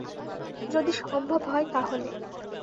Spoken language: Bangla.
যদি সম্ভব হয় তাহলে।